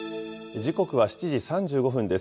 時刻は７時３５分です。